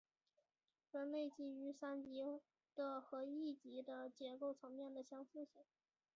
分类基于三级的和一级的结构层面的相似性。